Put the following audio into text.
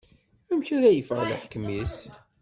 Amek ara yeffeɣ leḥkem-is.